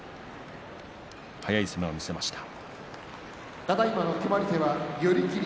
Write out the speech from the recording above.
速い攻めを見せました。